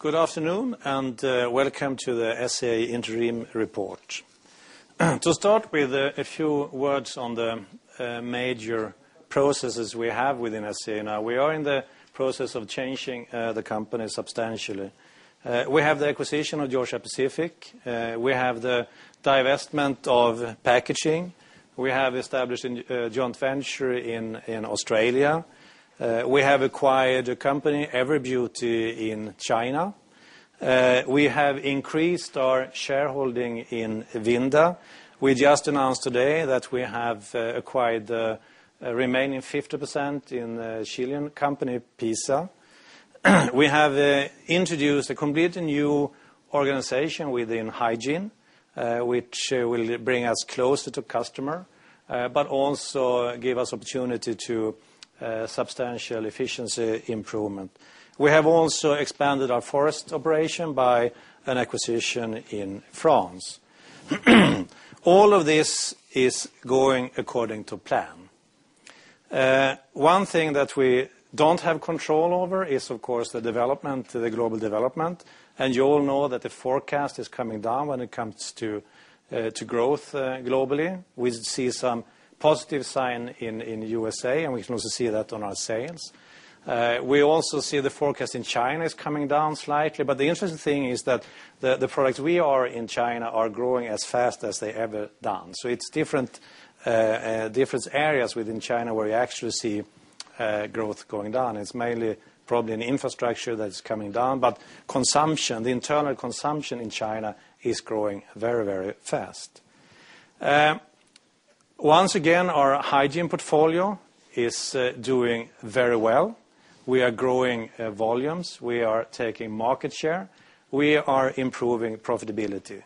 Good afternoon. Welcome to the SCA interim report. To start with a few words on the major processes we have within SCA now. We are in the process of changing the company substantially. We have the acquisition of Georgia-Pacific. We have the divestment of packaging. We have established a joint venture in Australia. We have acquired a company, Everbeauty, in China. We have increased our shareholding in Vinda. We just announced today that we have acquired the remaining 50% in the Chilean company, PISA. We have introduced a completely new organization within hygiene, which will bring us closer to customer, but also give us opportunity to substantial efficiency improvement. We have also expanded our forest operation by an acquisition in France. All of this is going according to plan. One thing that we don't have control over is, of course, the global development. You all know that the forecast is coming down when it comes to growth globally. We see some positive sign in USA, and we can also see that on our sales. We also see the forecast in China is coming down slightly, but the interesting thing is that the products we are in China are growing as fast as they ever done. It's different areas within China where you actually see growth going down. It's mainly probably an infrastructure that's coming down, but the internal consumption in China is growing very fast. Once again, our hygiene portfolio is doing very well. We are growing volumes. We are taking market share. We are improving profitability.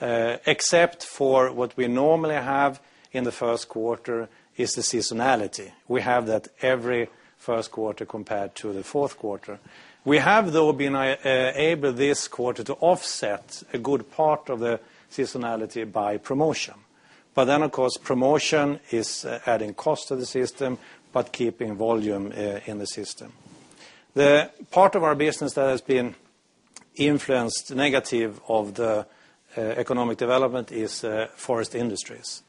Except for what we normally have in the first quarter is the seasonality. We have that every first quarter compared to the fourth quarter. We have, though, been able this quarter to offset a good part of the seasonality by promotion. Of course, promotion is adding cost to the system, but keeping volume in the system. The part of our business that has been influenced negative of the economic development is forest industries.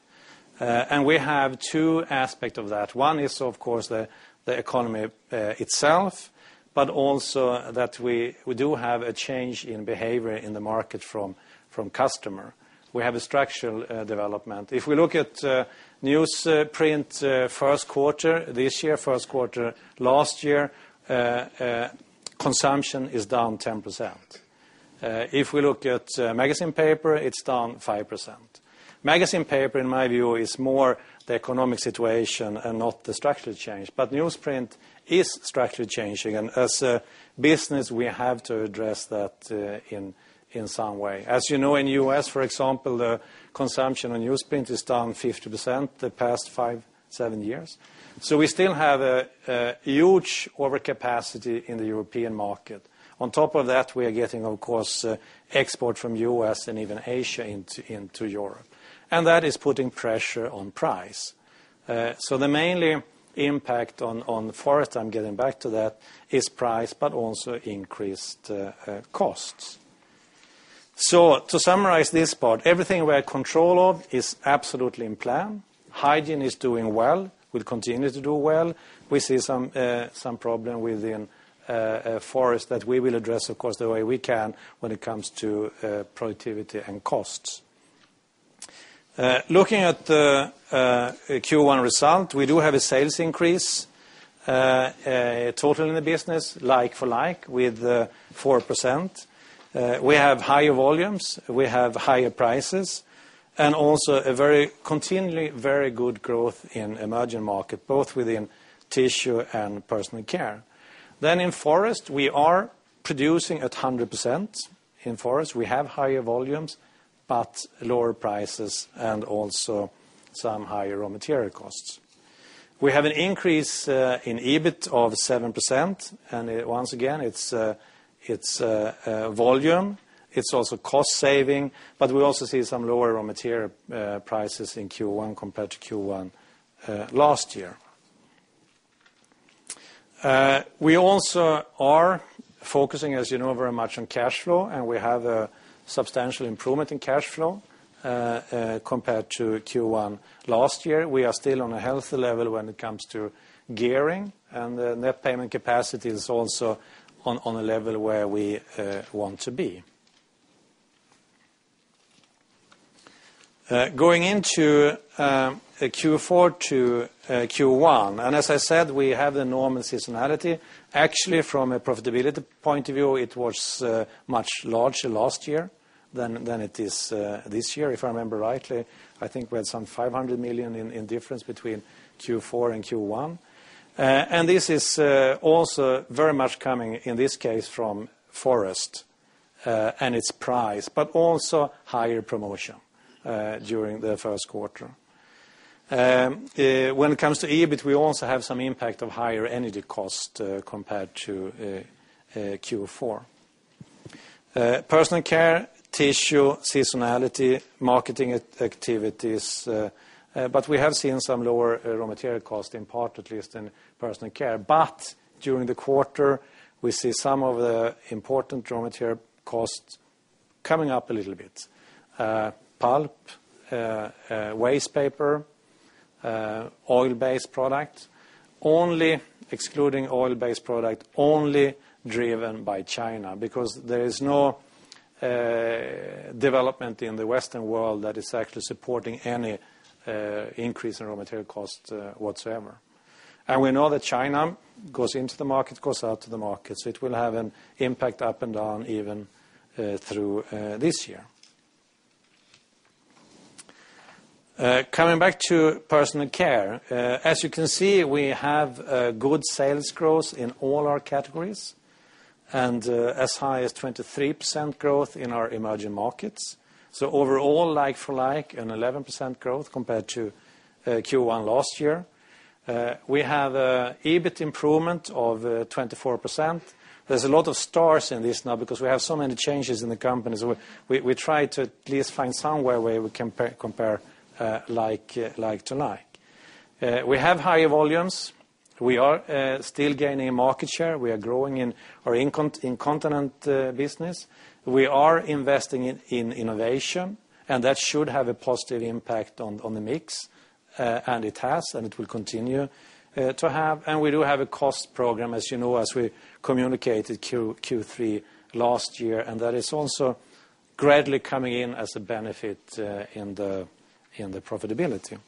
We have two aspect of that. One is, of course, the economy itself, but also that we do have a change in behavior in the market from customer. We have a structural development. If we look at newsprint first quarter this year, first quarter last year, consumption is down 10%. If we look at magazine paper, it's down 5%. Magazine paper, in my view, is more the economic situation and not the structural change. Newsprint is structurally changing, and as a business, we have to address that in some way. As you know, in U.S., for example, the consumption on newsprint is down 50% the past five, seven years. We still have a huge overcapacity in the European market. On top of that, we are getting, of course, export from U.S. and even Asia into Europe, and that is putting pressure on price. The mainly impact on the forest, I'm getting back to that, is price, but also increased costs. To summarize this part, everything we are control of is absolutely in plan. Hygiene is doing well, will continue to do well. We see some problem within forest that we will address, of course, the way we can when it comes to productivity and costs. Looking at the Q1 result, we do have a sales increase total in the business, like-for-like, with 4%. We have higher volumes, we have higher prices, and also a continually very good growth in emerging market, both within tissue and personal care. In forest, we are producing at 100% in forest. We have higher volumes, but lower prices, and also some higher raw material costs. We have an increase in EBIT of 7%. Once again, it's volume. It's also cost saving, but we also see some lower raw material prices in Q1 compared to Q1 last year. We also are focusing, as you know, very much on cash flow, and we have a substantial improvement in cash flow compared to Q1 last year. We are still on a healthy level when it comes to gearing, and the net payment capacity is also on a level where we want to be. Going into Q4 to Q1, and as I said, we have enormous seasonality. Actually, from a profitability point of view, it was much larger last year than it is this year. If I remember rightly, I think we had some 500 million in difference between Q4 and Q1. This is also very much coming, in this case, from forest and its price, but also higher promotion during the first quarter. When it comes to EBIT, we also have some impact of higher energy cost compared to Q4. Personal care, tissue, seasonality, marketing activities, but we have seen some lower raw material cost, in part at least in personal care. During the quarter, we see some of the important raw material costs coming up a little bit. Pulp, waste paper, oil-based product, excluding oil-based product, only driven by China, because there is no development in the Western world that is actually supporting any increase in raw material costs whatsoever. We know that China goes into the market, goes out to the market, so it will have an impact up and down even through this year. Coming back to personal care. As you can see, we have good sales growth in all our categories, and as high as 23% growth in our emerging markets. Overall, like-for-like, an 11% growth compared to Q1 last year. We have EBIT improvement of 24%. There's a lot of stars in this now because we have so many changes in the company, so we try to at least find somewhere where we can compare like-to-like. We have higher volumes. We are still gaining market share. We are growing in our incontinence business. We are investing in innovation, and that should have a positive impact on the mix, and it has, and it will continue to have. We do have a cost program, as you know, as we communicated Q3 last year, and that is also gradually coming in as a benefit in the profitability.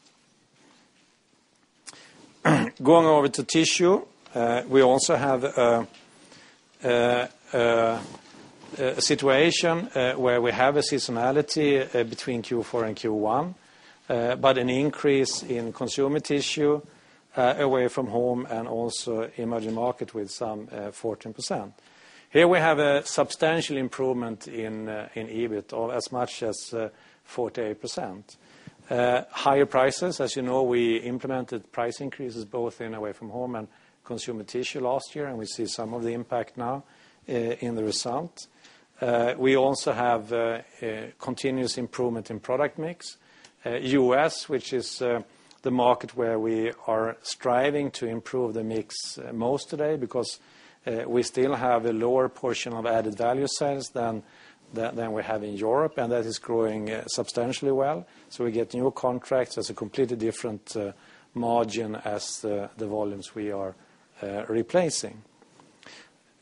Going over to tissue. We also have a situation where we have a seasonality between Q4 and Q1, but an increase in consumer tissue, away from home, and also emerging market with some 14%. Here we have a substantial improvement in EBIT of as much as 48%. Higher prices. As you know, we implemented price increases both in away from home and consumer tissue last year, and we see some of the impact now in the result. We also have continuous improvement in product mix. U.S., which is the market where we are striving to improve the mix most today because we still have a lower portion of added value sales than we have in Europe, and that is growing substantially well. We get new contracts. That's a completely different margin as the volumes we are replacing.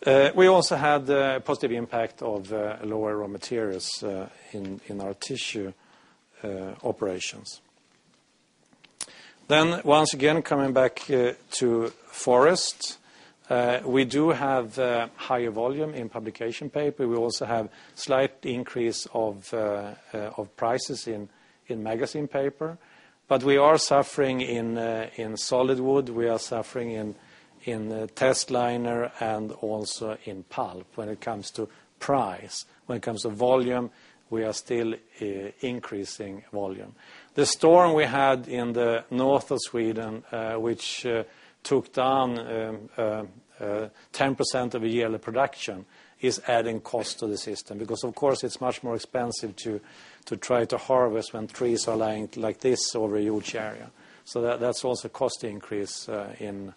We also had the positive impact of lower raw materials in our tissue operations. Once again, coming back to forest. We do have higher volume in publication paper. We also have slight increase of prices in magazine paper. We are suffering in solid wood. We are suffering in test liner and also in pulp when it comes to price. When it comes to volume, we are still increasing volume. The storm we had in the north of Sweden which took down 10% of a yearly production, is adding cost to the system because, of course, it's much more expensive to try to harvest when trees are lying like this over a huge area. That's also cost increase in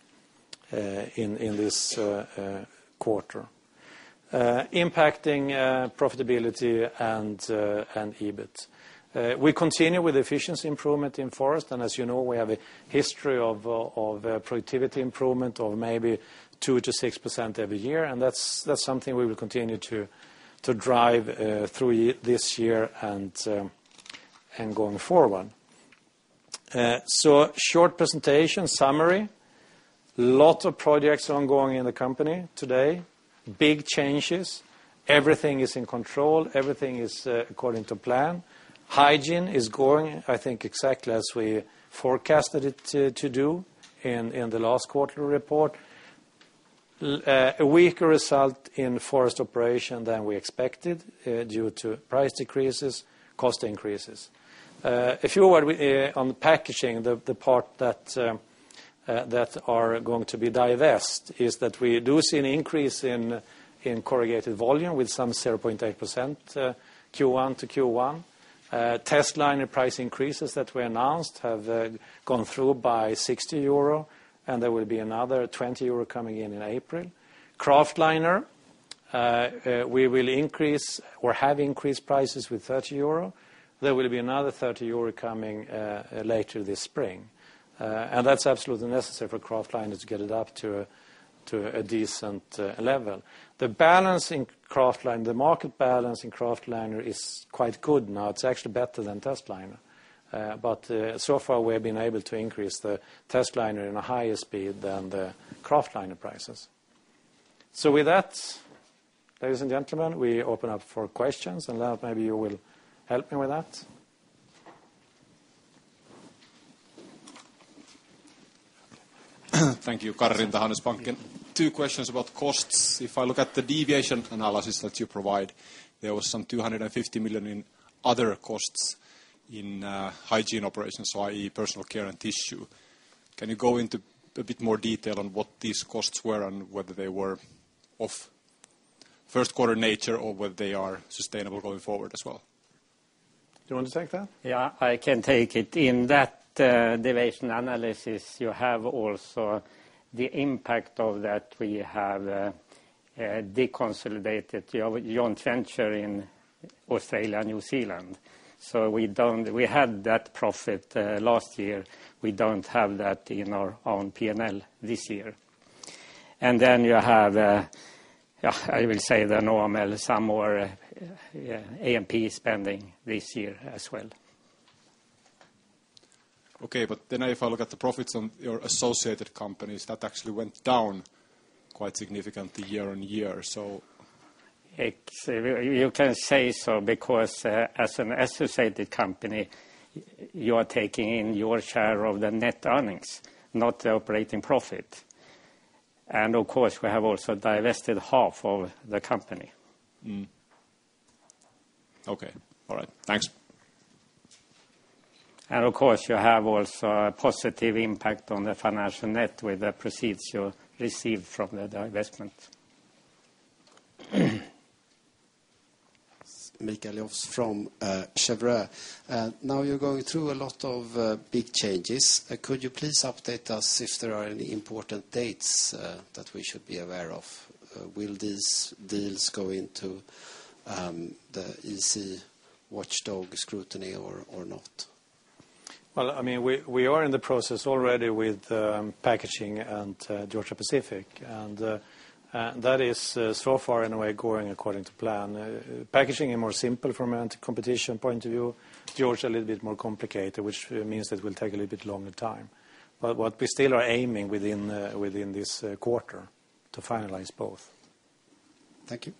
this quarter, impacting profitability and EBIT. We continue with efficiency improvement in forest, and as you know, we have a history of productivity improvement of maybe 2%-6% every year, and that's something we will continue to drive through this year and going forward. Short presentation summary. Lot of projects ongoing in the company today. Big changes. Everything is in control. Everything is according to plan. Hygiene is going, I think, exactly as we forecasted it to do in the last quarterly report. A weaker result in forest operation than we expected due to price decreases, cost increases. If you were on the packaging, the part that are going to be divested, is that we do see an increase in corrugated volume with some 0.8% Q1 to Q1. Test liner price increases that we announced have gone through by €60, and there will be another €20 coming in in April. Kraftliner, we will increase or have increased prices with €30. There will be another €30 coming later this spring. That's absolutely necessary for kraftliner to get it up to a decent level. The market balance in kraftliner is quite good now. It's actually better than test liner. So far we've been able to increase the test liner in a higher speed than the kraftliner prices. With that, ladies and gentlemen, we open up for questions. Maybe you will help me with that. Thank you, Karli, Danske Bank. Two questions about costs. If I look at the deviation analysis that you provide, there was some 250 million in other costs in hygiene operations, i.e., personal care and tissue. Can you go into a bit more detail on what these costs were and whether they were of first quarter nature or whether they are sustainable going forward as well? Do you want to take that? Yeah, I can take it. In that deviation analysis, you have also the impact of that we have deconsolidated our joint venture in Australia and New Zealand. We had that profit last year. We don't have that in our own P&L this year. Then you have, I will say the normal, some more AMP spending this year as well. If I look at the profits on your associated companies, that actually went down quite significantly year-on-year. You can say so, because as an associated company, you are taking in your share of the net earnings, not the operating profit. Of course, we have also divested half of the company. All right. Thanks. Of course, you have also a positive impact on the financial net with the proceeds you received from the divestment. You're going through a lot of big changes. Could you please update us if there are any important dates that we should be aware of? Will these deals go into the watchdog scrutiny or not? We are in the process already with Packaging and Georgia-Pacific, that is so far anyway, going according to plan. Packaging is more simple from an anti-competition point of view. Georgia, a little bit more complicated, which means that will take a little bit longer time. What we still are aiming within this quarter to finalize both. Thank you.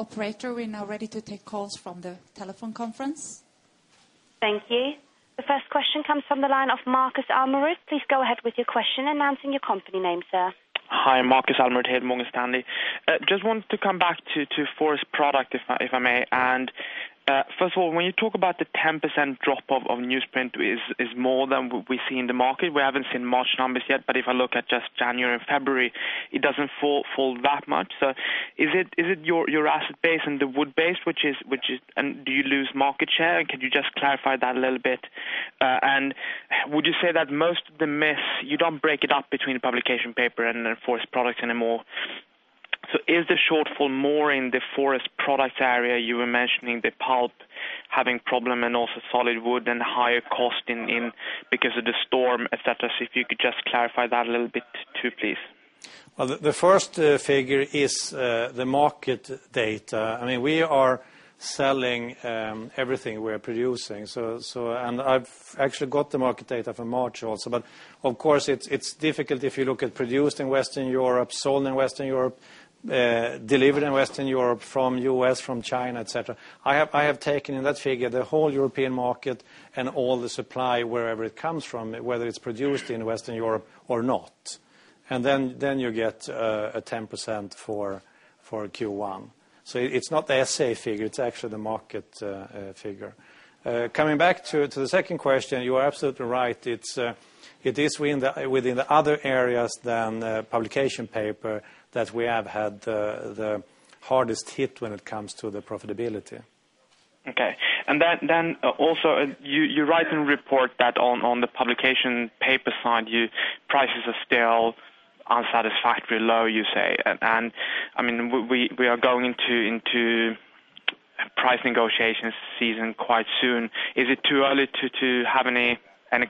Operator, we're now ready to take calls from the telephone conference. Thank you. The first question comes from the line of Markus Almerud. Please go ahead with your question, announcing your company name, sir. Hi, Markus Almerud here, Morgan Stanley. Just wanted to come back to forest products, if I may. First of all, when you talk about the 10% drop off of newsprint is more than what we see in the market. We haven't seen March numbers yet, but if I look at just January and February, it doesn't fall that much. Is it your asset base and the wood base, do you lose market share? Could you just clarify that a little bit? Would you say that most of the miss, you don't break it up between publication paper and the forest products anymore. Is the shortfall more in the forest products area? You were mentioning the pulp having problem and also solid wood and higher cost because of the storm, et cetera. If you could just clarify that a little bit too, please. The first figure is the market data. We are selling everything we're producing, and I've actually got the market data for March also. Of course it's difficult if you look at produced in Western Europe, sold in Western Europe, delivered in Western Europe from U.S., from China, et cetera. I have taken in that figure the whole European market and all the supply, wherever it comes from, whether it's produced in Western Europe or not. Then you get a 10% for Q1. It's not the SCA figure, it's actually the market figure. Coming back to the second question, you are absolutely right. It is within the other areas than publication paper that we have had the hardest hit when it comes to the profitability. Okay. Then also you write and report that on the publication paper side, prices are still unsatisfactorily low, you say. We are going into price negotiations season quite soon. Is it too early to have any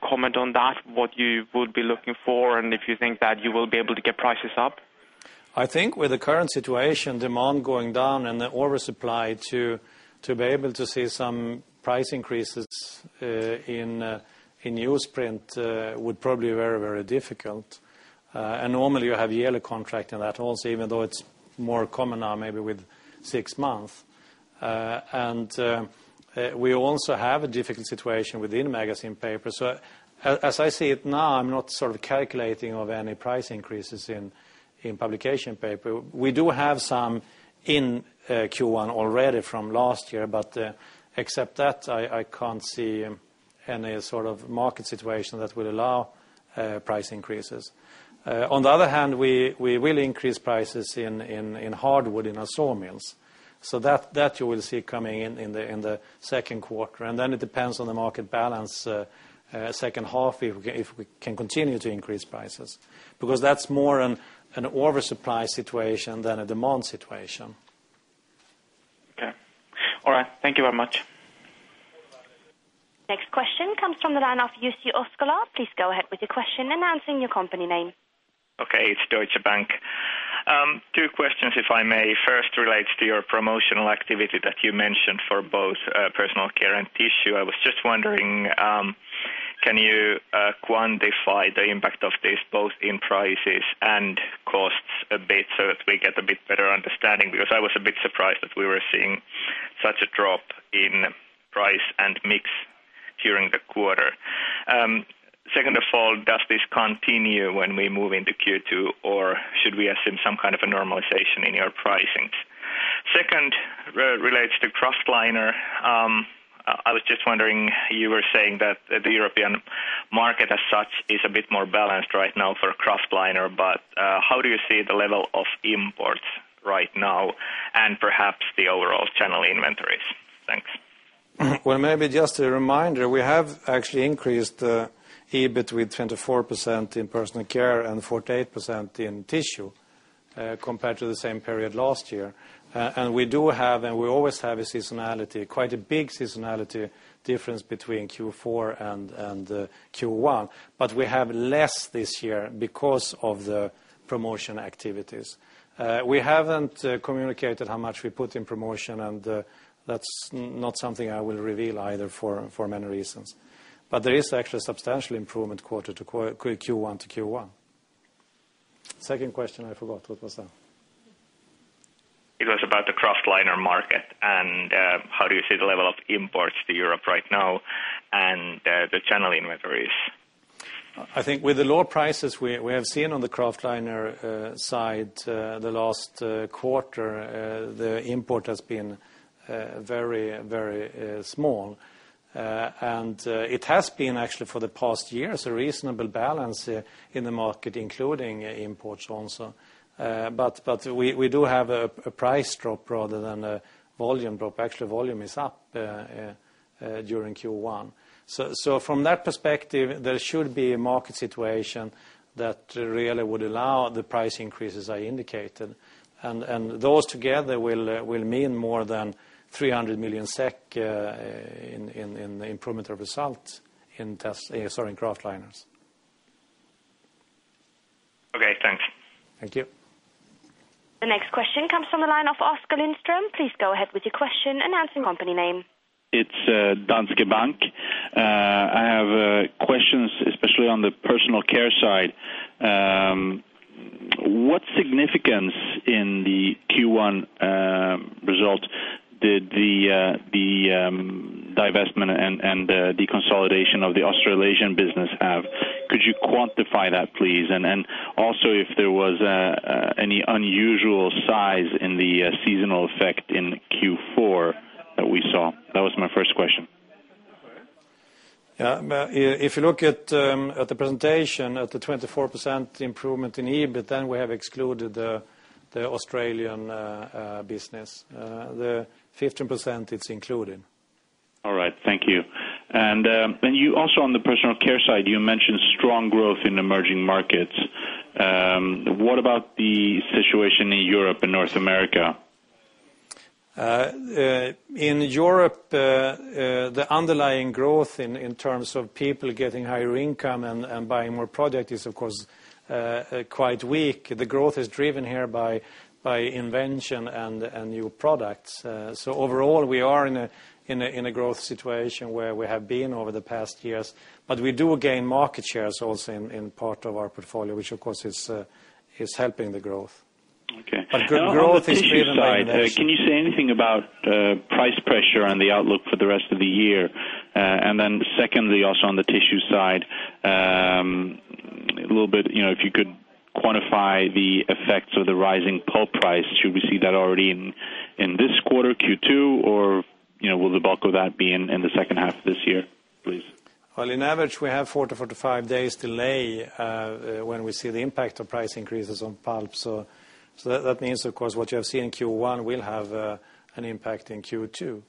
comment on that, what you would be looking for, and if you think that you will be able to get prices up? I think with the current situation, demand going down and the oversupply to be able to see some price increases in newsprint would probably be very difficult. Normally you have a yearly contract in that also, even though it's more common now, maybe with six months. We also have a difficult situation within magazine paper. As I see it now, I'm not sort of calculating of any price increases in publication paper. We do have some in Q1 already from last year, but except that I can't see any sort of market situation that will allow price increases. On the other hand, we will increase prices in hardwood in our sawmills. That you will see coming in the second quarter. Then it depends on the market balance second half, if we can continue to increase prices because that's more an oversupply situation than a demand situation. Okay. All right. Thank you very much. Next question comes from the line of Jussi Oskala. Please go ahead with your question, announcing your company name. It is Deutsche Bank. Two questions, if I may. First relates to your promotional activity that you mentioned for both personal care and tissue. I was just wondering, can you quantify the impact of this both in prices and costs a bit so that we get a bit better understanding? Because I was a bit surprised that we were seeing such a drop in price and mix during the quarter. Second of all, does this continue when we move into Q2, or should we assume some kind of a normalization in your pricing? Second relates to kraftliner. I was just wondering, you were saying that the European market as such is a bit more balanced right now for kraftliner, but how do you see the level of imports right now and perhaps the overall channel inventories? Thanks. Well, maybe just a reminder, we have actually increased the EBIT with 24% in Personal Care and 48% in Tissue, compared to the same period last year. We do have, and we always have a seasonality, quite a big seasonality difference between Q4 and Q1. We have less this year because of the promotion activities. We haven't communicated how much we put in promotion, and that's not something I will reveal either for many reasons. There is actually a substantial improvement Q1 to Q1. Second question I forgot. What was that? It was about the kraftliner market and how do you see the level of imports to Europe right now and the channel inventories? I think with the low prices we have seen on the kraftliner side the last quarter, the import has been very small. It has been actually for the past years, a reasonable balance in the market, including imports also. We do have a price drop rather than a volume drop. Actually, volume is up during Q1. From that perspective, there should be a market situation that really would allow the price increases I indicated. Those together will mean more than 300 million SEK in the improvement of results in kraftliners. Okay, thanks. Thank you. The next question comes from the line of Oskar Lindström. Please go ahead with your question, announcing company name. It's Danske Bank. I have questions especially on the Personal Care side. What significance in the Q1 result did the divestment and the deconsolidation of the Australasian business have? Could you quantify that, please? Also if there was any unusual size in the seasonal effect in Q4 that we saw? That was my first question. Yeah. If you look at the presentation, at the 24% improvement in EBIT, then we have excluded the Australian business. The 15%, it is included. All right, thank you. You also on the Personal Care side, you mentioned strong growth in emerging markets. What about the situation in Europe and North America? In Europe, the underlying growth in terms of people getting higher income and buying more product is of course, quite weak. The growth is driven here by innovation and new products. Overall, we are in a growth situation where we have been over the past years, but we do gain market shares also in part of our portfolio, which of course, is helping the growth. Okay. Growth is driven- On the tissue side, can you say anything about price pressure on the outlook for the rest of the year? Secondly, also on the tissue side, a little bit, if you could quantify the effects of the rising pulp price. Should we see that already in this quarter, Q2, or will the bulk of that be in the second half of this year, please? Well, in average, we have 40-45 days delay, when we see the impact of price increases on pulp. That means, of course, what you have seen in Q1 will have an impact in Q2.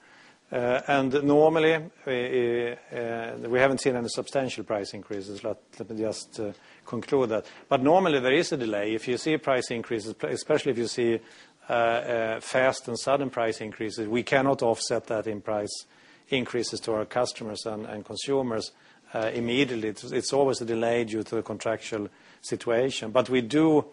Normally, we haven't seen any substantial price increases. Let me just conclude that. Normally there is a delay. If you see price increases, especially if you see fast and sudden price increases, we cannot offset that in price increases to our customers and consumers immediately. It's always a delay due to the contractual situation. We do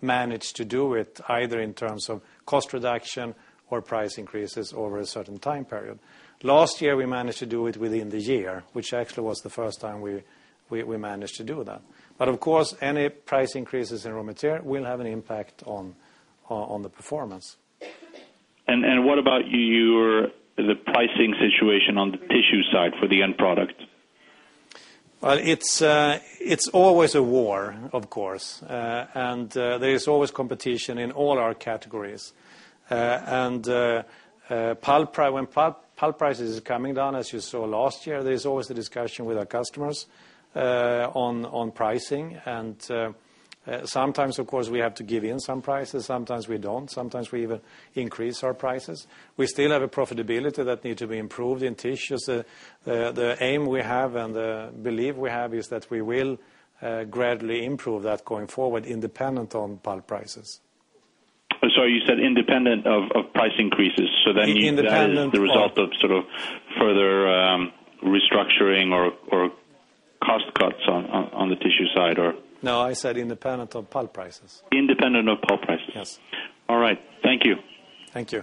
manage to do it either in terms of cost reduction or price increases over a certain time period. Last year, we managed to do it within the year, which actually was the first time we managed to do that. Of course, any price increases in raw material will have an impact on the performance. What about the pricing situation on the tissue side for the end product? Well, it's always a war, of course, and there is always competition in all our categories. When pulp price is coming down, as you saw last year, there's always a discussion with our customers on pricing. Sometimes, of course, we have to give in some prices, sometimes we don't. Sometimes we even increase our prices. We still have a profitability that need to be improved in tissues. The aim we have and the belief we have is that we will gradually improve that going forward, independent on pulp prices. You said independent of price increases. Independent of That is the result of sort of further restructuring or cost cuts on the tissue side or? No, I said independent of pulp prices. Independent of pulp prices? Yes. All right. Thank you. Thank you.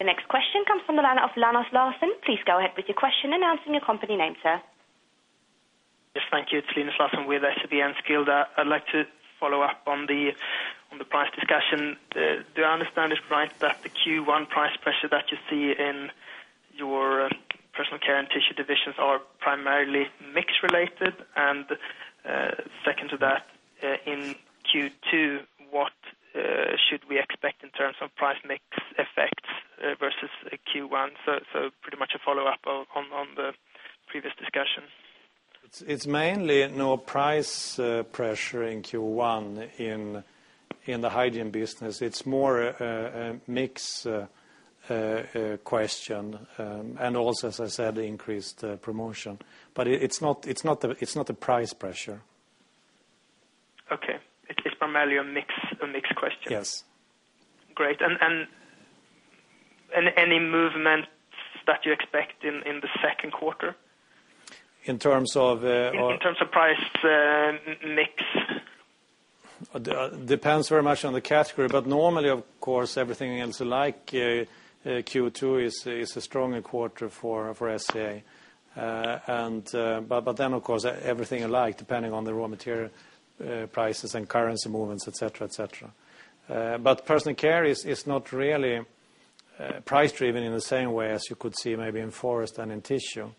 The next question comes from the line of Linus Larsson. Please go ahead with your question, announcing your company name, sir. Thank you. It's Linus Larsson with SEB Enskilda. I'd like to follow up on the price discussion. Do I understand this right that the Q1 price pressure that you see in your Personal Care and Tissue divisions are primarily mix-related? Second to that, in Q2, what should we expect in terms of price mix effects versus Q1? Pretty much a follow-up on the previous discussion. It's mainly no price pressure in Q1 in the hygiene business. It's more a mix question. Also, as I said, increased promotion. It's not the price pressure. Okay. It's primarily a mix question. Yes. Great. Any movements that you expect in the second quarter? In terms of our. In terms of price mix. Depends very much on the category. Normally, of course, everything else like Q2 is a stronger quarter for SCA. Of course, everything alike, depending on the raw material prices and currency movements, et cetera. Personal care is not really price-driven in the same way as you could see maybe in forest and in tissue.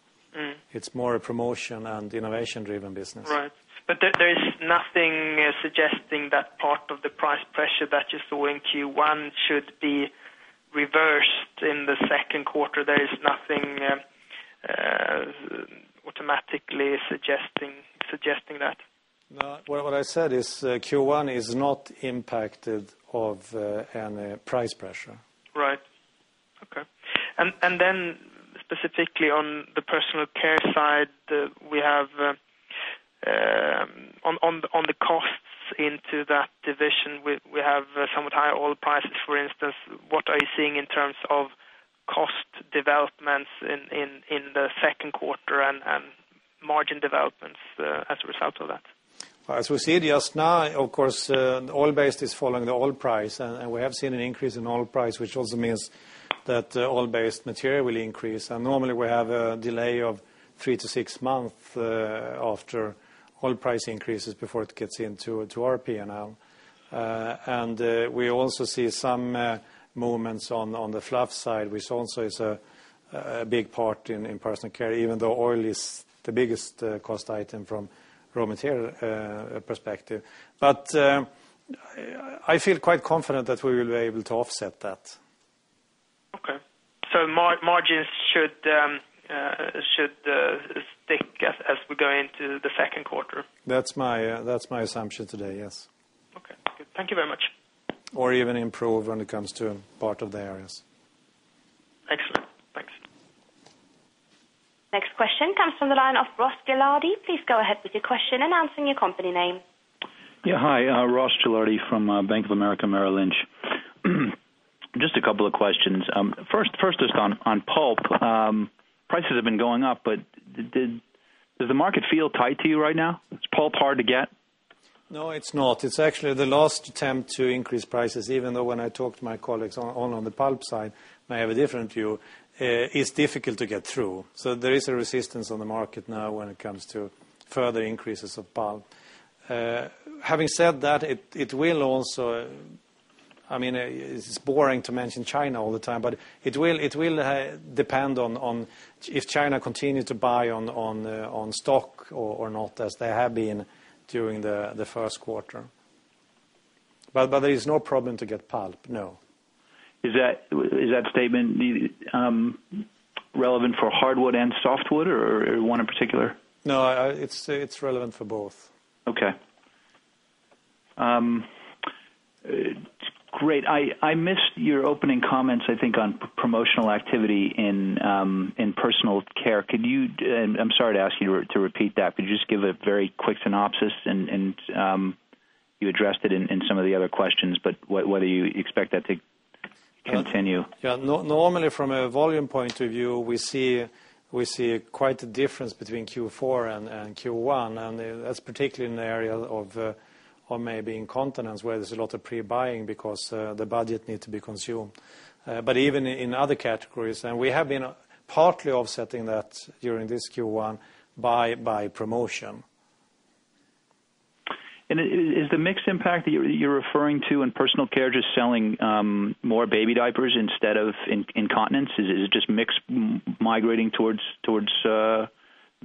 It's more a promotion and innovation-driven business. Right. There is nothing suggesting that part of the price pressure that you saw in Q1 should be reversed in the second quarter. There is nothing automatically suggesting that? No. What I said is Q1 is not impacted of any price pressure. Right. Okay. Then specifically on the personal care side, on the costs into that division, we have somewhat higher oil prices, for instance. What are you seeing in terms of cost developments in the second quarter and margin developments as a result of that? As we see it just now, of course, oil-based is following the oil price, we have seen an increase in oil price, which also means that oil-based material will increase. Normally, we have a delay of three to six months after oil price increases before it gets into our P&L. We also see some movements on the fluff side, which also is a big part in personal care, even though oil is the biggest cost item from raw material perspective. I feel quite confident that we will be able to offset that. Okay. Margins should stick as we go into the second quarter? That's my assumption today, yes. Okay. Good. Thank you very much. Even improve when it comes to part of the areas. Excellent. Thanks. Next question comes from the line of Ross Gilardi. Please go ahead with your question, announcing your company name. Hi, Ross Gilardi from Bank of America, Merrill Lynch. Just a couple of questions. First just on pulp. Prices have been going up, does the market feel tight to you right now? Is pulp hard to get? No, it's not. It's actually the last attempt to increase prices, even though when I talk to my colleagues on the pulp side, they have a different view. It's difficult to get through. There is a resistance on the market now when it comes to further increases of pulp. Having said that, it's boring to mention China all the time, it will depend on if China continue to buy on stock or not as they have been during the first quarter. There is no problem to get pulp, no. Is that statement relevant for hardwood and softwood, or one in particular? No, it's relevant for both. Okay. Great. I missed your opening comments, I think, on promotional activity in personal care. I'm sorry to ask you to repeat that, but could you just give a very quick synopsis? You addressed it in some of the other questions, but whether you expect that to continue. Normally, from a volume point of view, we see quite a difference between Q4 and Q1. That's particularly in the area of maybe incontinence, where there's a lot of pre-buying because the budget needs to be consumed. Even in other categories, we have been partly offsetting that during this Q1 by promotion. Is the mix impact that you're referring to in personal care just selling more baby diapers instead of incontinence? Is it just mix migrating towards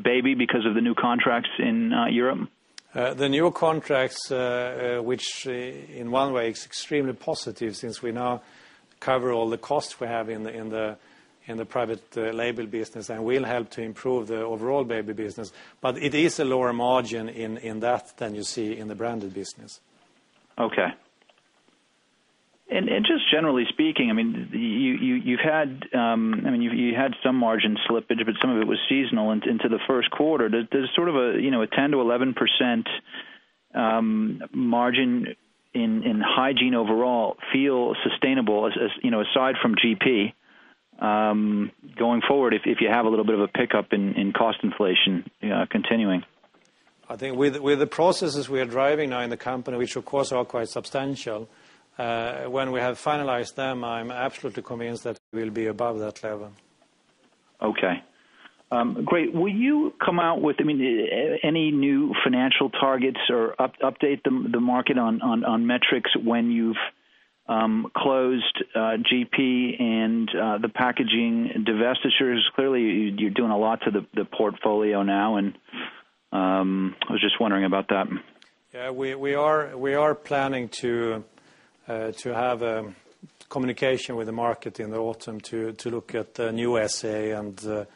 baby because of the new contracts in Europe? The new contracts, which in one way is extremely positive since we now cover all the costs we have in the private label business and will help to improve the overall baby business. It is a lower margin in that than you see in the branded business. Okay. Just generally speaking, you had some margin slippage, some of it was seasonal into the first quarter. Does sort of a 10%-11% margin in hygiene overall feel sustainable, aside from GP, going forward, if you have a little bit of a pickup in cost inflation continuing? I think with the processes we are driving now in the company, which of course are quite substantial, when we have finalized them, I'm absolutely convinced that we'll be above that level. Okay. Great. Will you come out with any new financial targets or update the market on metrics when you've closed GP and the packaging divestitures? Clearly, you're doing a lot to the portfolio now, and I was just wondering about that. Yeah, we are planning to have communication with the market in the autumn to look at the new SCA and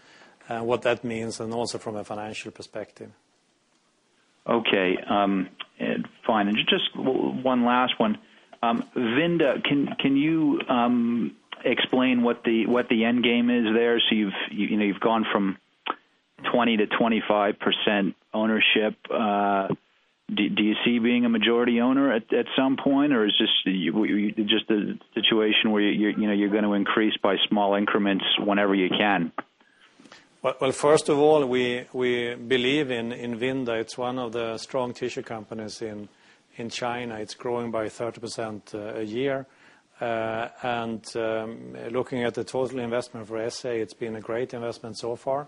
what that means, and also from a financial perspective. Okay. Fine. Just one last one. Vinda, can you explain what the end game is there? You've gone from 20% to 25% ownership. Do you see being a majority owner at some point? Is this just a situation where you're going to increase by small increments whenever you can? First of all, we believe in Vinda. It's one of the strong tissue companies in China. It's growing by 30% a year. Looking at the total investment for SCA, it's been a great investment so far.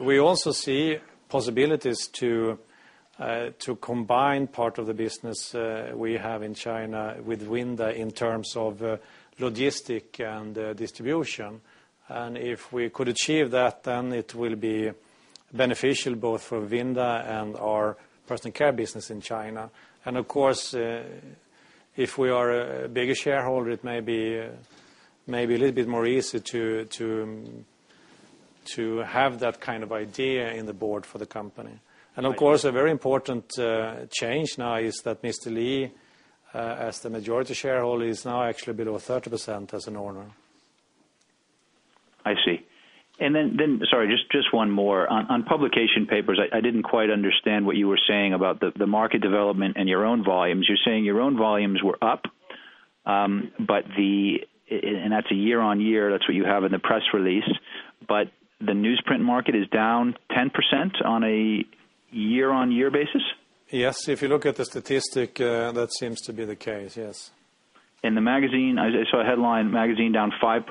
We also see possibilities to combine part of the business we have in China with Vinda in terms of logistic and distribution. If we could achieve that, then it will be beneficial both for Vinda and our personal care business in China. Of course, if we are a bigger shareholder, it may be a little bit more easy to have that kind of idea in the board for the company. Of course, a very important change now is that Li Chaowang, as the majority shareholder, is now actually below 30% as an owner. I see. Then, sorry, just one more. On publication paper, I didn't quite understand what you were saying about the market development and your own volumes. You're saying your own volumes were up, and that's a year-on-year, that's what you have in the press release. The newsprint market is down 10% on a year-on-year basis? Yes. If you look at the statistic, that seems to be the case, yes. The magazine, I saw a headline, magazine down 5%.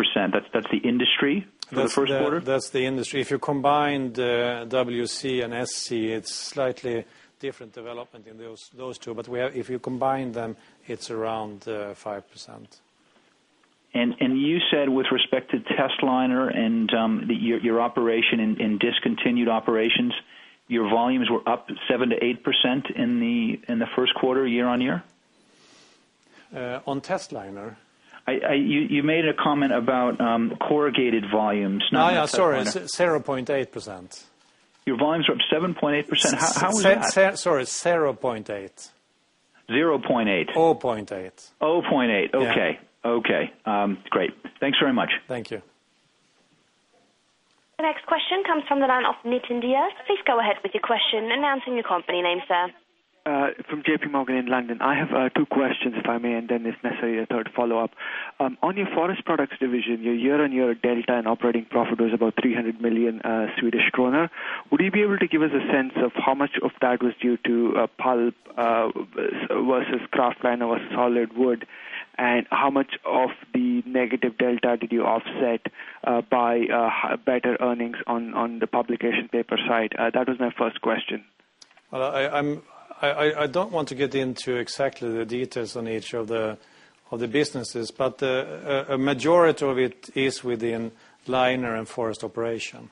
That's the industry for the first quarter? That's the industry. If you combined WC and SC, it's slightly different development in those two. If you combine them, it's around 5%. You said with respect to testliner and your operation in discontinued operations, your volumes were up 7%-8% in the first quarter, year-on-year? On testliner? You made a comment about corrugated volumes. Sorry, 0.8%. Your volumes were up 7.8%? How was that? Sorry, 0.8%. 0.8? 0.8. 0.8%. Okay. Great. Thanks very much. Thank you. The next question comes from the line of Nitin Jay. Please go ahead with your question, announcing your company name, sir. From JP Morgan in London. I have two questions, if I may, then if necessary, a third follow-up. On your forest products division, your year-on-year delta in operating profit was about 300 million Swedish kronor. Would you be able to give us a sense of how much of that was due to pulp versus kraftliner or solid wood? How much of the negative delta did you offset by better earnings on the publication paper side? That was my first question. I don't want to get into exactly the details on each of the businesses, a majority of it is within liner and forest operation.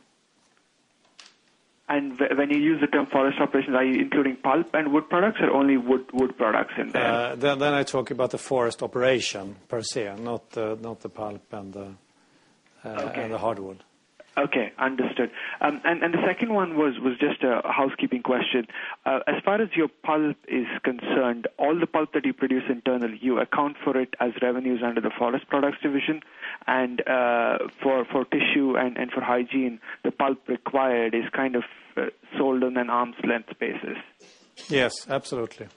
When you use the term forest operation, are you including pulp and wood products or only wood products in there? I talk about the forest operation per se, not the pulp and the hardwood. Okay, understood. The second one was just a housekeeping question. As far as your pulp is concerned, all the pulp that you produce internally, you account for it as revenues under the Forest Products Division? For tissue and for hygiene, the pulp required is kind of sold on an arm's length basis. Yes, absolutely.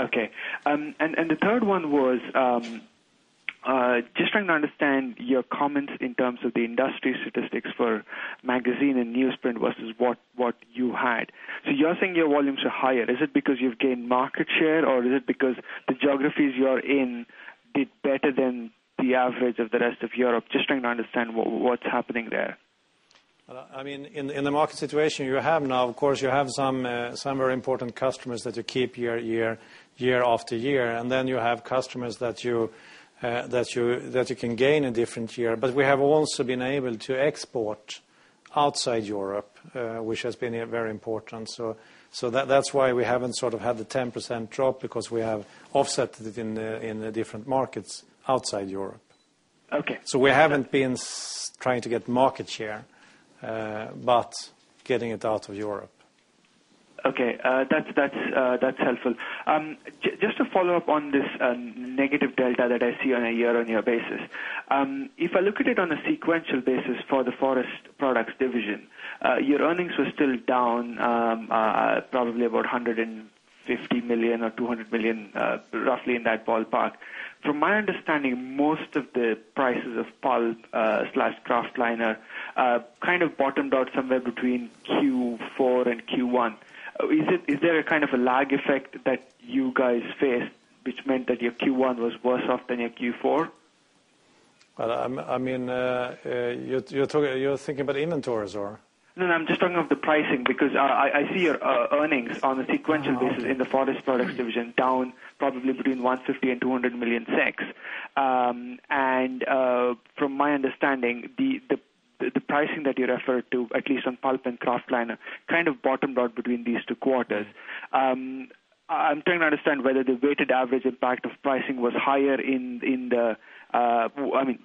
Okay. The third one was, just trying to understand your comments in terms of the industry statistics for magazine and newsprint versus what you had. You're saying your volumes are higher. Is it because you've gained market share or is it because the geographies you're in did better than the average of the rest of Europe? Just trying to understand what's happening there. In the market situation you have now, of course, you have some very important customers that you keep year after year. Then you have customers that you can gain a different year. We have also been able to export outside Europe, which has been very important. That's why we haven't sort of had the 10% drop because we have offset it in the different markets outside Europe. Okay. We haven't been trying to get market share, but getting it out of Europe. Okay. That's helpful. Just to follow up on this negative delta that I see on a year-on-year basis. If I look at it on a sequential basis for the forest products division, your earnings were still down probably about 150 million or 200 million, roughly in that ballpark. From my understanding, most of the prices of pulp/kraftliner kind of bottomed out somewhere between Q4 and Q1. Is there a kind of a lag effect that you guys faced, which meant that your Q1 was worse off than your Q4? You're thinking about inventories? No, I'm just talking of the pricing, because I see your earnings on a sequential basis in the forest products division, down probably between 150 and 200 million SEK. From my understanding, the pricing that you referred to, at least on pulp and kraftliner, bottomed out between these two quarters. I'm trying to understand whether the weighted average impact of pricing was higher in the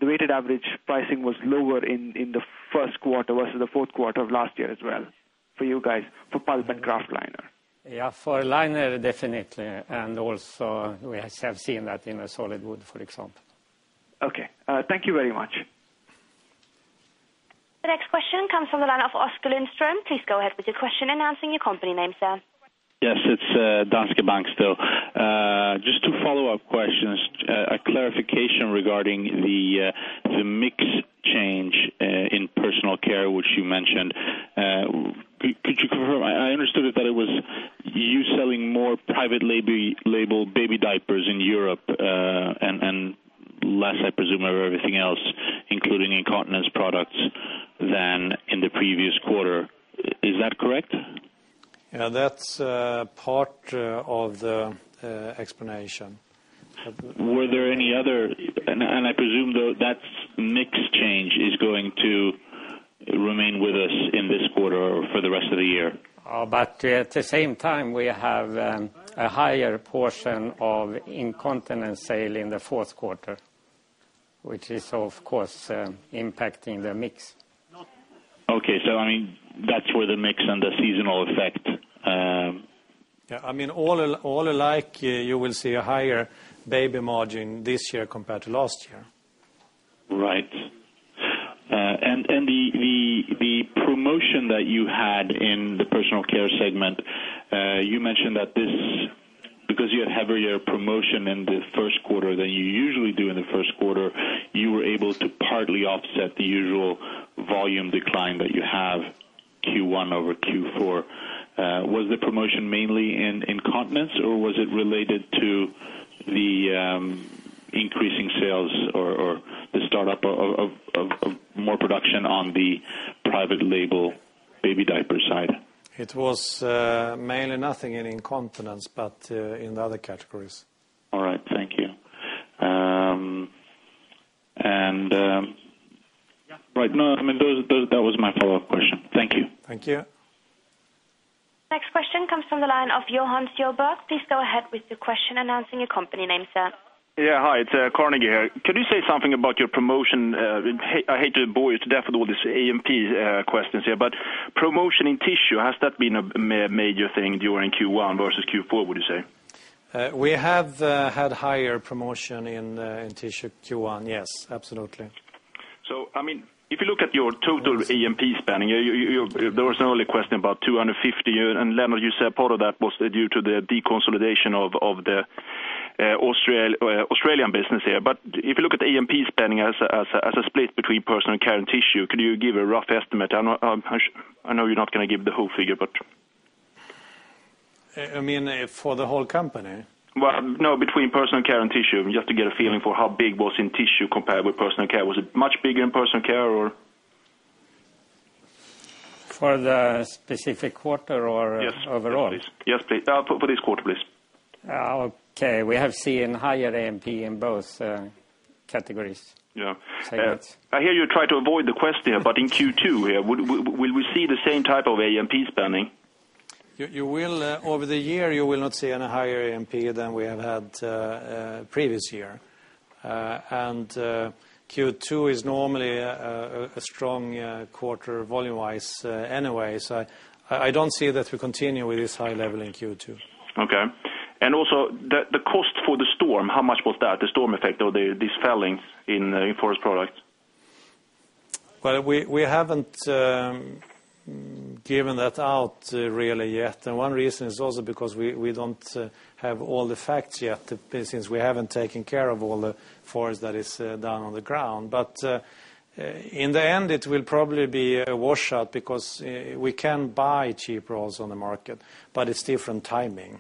weighted average pricing was lower in the first quarter versus the fourth quarter of last year as well, for you guys, for pulp and kraftliner. Yeah. For liner, definitely. Also we have seen that in the solid wood, for example. Okay. Thank you very much. The next question comes from the line of Oskar Lindström. Please go ahead with your question, announcing your company name, sir. Yes, it is Danske Bank still. Just two follow-up questions. A clarification regarding the mix change in personal care, which you mentioned. Could you confirm? I understood it that it was you selling more private label baby diapers in Europe, and less, I presume of everything else, including incontinence products than in the previous quarter. Is that correct? Yeah, that is part of the explanation. I presume, though, that mix change is going to remain with us in this quarter or for the rest of the year. At the same time, we have a higher portion of incontinence sale in the fourth quarter, which is, of course, impacting the mix. Okay. That's where the mix and the seasonal effect Yeah. All alike, you will see a higher baby margin this year compared to last year. Right. The promotion that you had in the personal care segment, you mentioned that this, because you had heavier promotion in the first quarter than you usually do in the first quarter, you were able to partly offset the usual volume decline that you have Q1 over Q4. Was the promotion mainly in incontinence, or was it related to the increasing sales or the startup of more production on the private label baby diaper side? It was mainly nothing in incontinence, but in the other categories. All right, thank you. That was my follow-up question. Thank you. Thank you. Next question comes from the line of Johan Sjöberg. Please go ahead with the question, announcing your company name, sir. Yeah, hi, it's Carnegie here. Could you say something about your promotion? I hate to bore you to death with all these AMP questions here. Promotion in tissue, has that been a major thing during Q1 versus Q4, would you say? We have had higher promotion in tissue Q1. Yes, absolutely. If you look at your total AMP spending, there was an early question about 250, and Lennart, you said part of that was due to the deconsolidation of the Australian business here. If you look at the AMP spending as a split between personal care and tissue, could you give a rough estimate? I know you're not going to give the whole figure. You mean for the whole company? Well, no, between personal care and tissue, just to get a feeling for how big was in tissue compared with personal care. Was it much bigger in personal care? For the specific quarter or overall? Yes, please. For this quarter, please. Okay. We have seen higher AMP in both categories. Yeah. Segments. I hear you try to avoid the question, in Q2 here, will we see the same type of AMP spending? Over the year, you will not see any higher AMP than we have had previous year. Q2 is normally a strong quarter volume-wise anyway. I don't see that we continue with this high level in Q2. Okay. Also, the cost for the storm, how much was that, the storm effect or these fellings in forest product? Well, we haven't given that out really yet. One reason is also because we don't have all the facts yet, since we haven't taken care of all the forest that is down on the ground. In the end, it will probably be a washout because we can buy cheap rolls on the market, but it's different timing.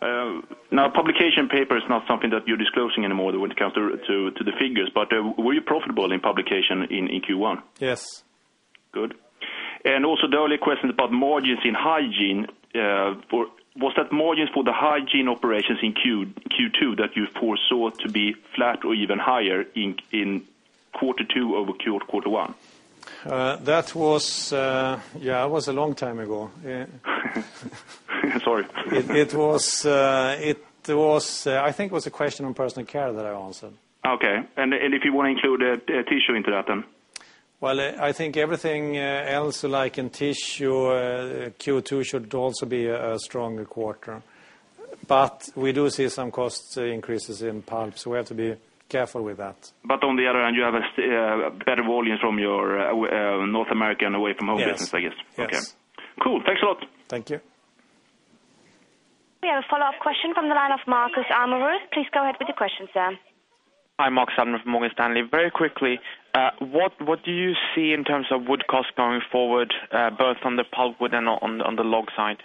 Publication paper is not something that you're disclosing anymore when it comes to the figures, but were you profitable in publication in Q1? Yes. Good. Also the earlier questions about margins in hygiene. Was that margins for the hygiene operations in Q2 that you foresaw to be flat or even higher in quarter two over quarter one? That was a long time ago. Sorry. I think it was a question on personal care that I answered. Okay. If you want to include tissue into that? I think everything else, like in tissue, Q2 should also be a stronger quarter. We do see some cost increases in pulp, we have to be careful with that. On the other hand, you have better volumes from your North American away-from-home business, I guess. Yes. Okay. Cool. Thanks a lot. Thank you. We have a follow-up question from the line of Markus Almerud. Please go ahead with your question, sir. Hi, Markus Almerud from Morgan Stanley. Very quickly, what do you see in terms of wood cost going forward, both on the pulpwood and on the log side?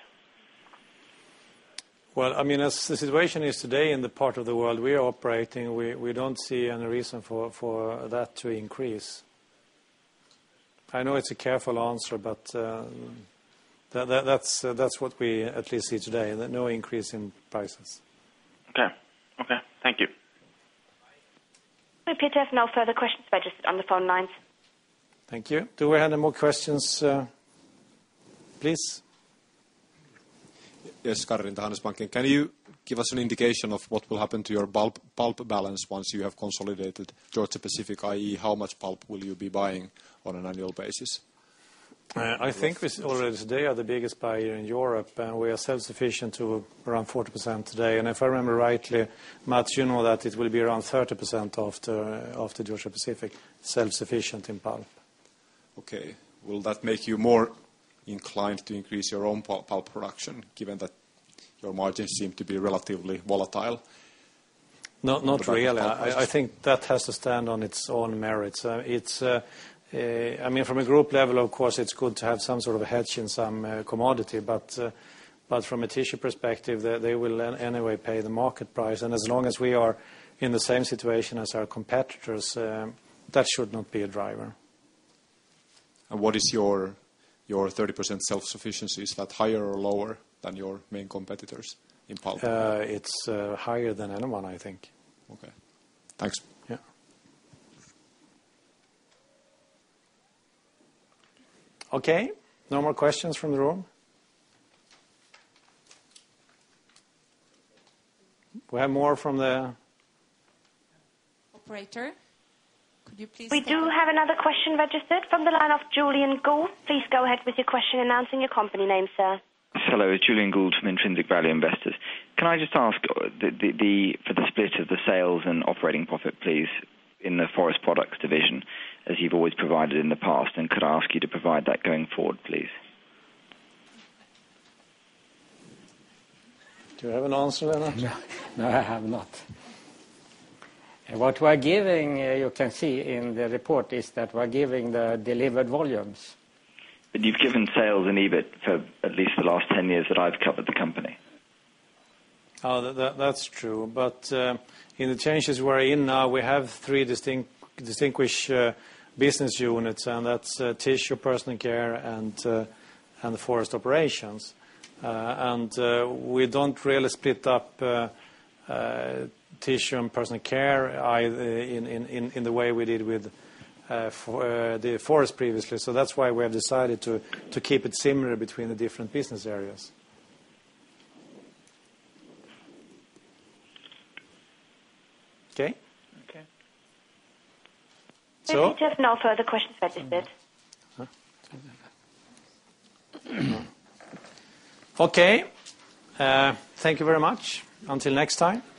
Well, as the situation is today in the part of the world we are operating, we don't see any reason for that to increase. I know it's a careful answer, but that's what we at least see today, that no increase in prices. Okay. Thank you. Okay, Peter, there's no further questions registered on the phone lines. Thank you. Do we have any more questions, please? Yes, Gavin, Danske Bank. Can you give us an indication of what will happen to your pulp balance once you have consolidated Georgia-Pacific, i.e., how much pulp will you be buying on an annual basis? I think we already today are the biggest buyer in Europe. We are self-sufficient to around 40% today. If I remember rightly, Mats, you know that it will be around 30% after Georgia-Pacific, self-sufficient in pulp. Okay. Will that make you more inclined to increase your own pulp production, given that your margins seem to be relatively volatile? Not really. I think that has to stand on its own merits. From a group level, of course, it's good to have some sort of a hedge in some commodity. From a tissue perspective, they will anyway pay the market price, as long as we are in the same situation as our competitors, that should not be a driver. What is your 30% self-sufficiency? Is that higher or lower than your main competitors in pulp? It's higher than anyone, I think. Okay. Thanks. Yeah. Okay. No more questions from the room? We have more from. Operator, could you. We do have another question registered from the line of Julian Gould. Please go ahead with your question announcing your company name, sir. Hello. It's Julian Gould from Intrinsic Value Investors. Can I just ask for the split of the sales and operating profit, please, in the forest products division, as you've always provided in the past, could I ask you to provide that going forward, please? Do you have an answer on that? No, I have not. What we're giving, you can see in the report, is that we're giving the delivered volumes. You've given sales and EBIT for at least the last 10 years that I've covered the company. Oh, that's true. In the changes we're in now, we have three distinguished business units, that's tissue, personal care, and the forest operations. We don't really split up tissue and personal care in the way we did with the forest previously. That's why we have decided to keep it similar between the different business areas. Okay? Okay. Peter, there's no further questions registered. Okay. Thank you very much. Until next time.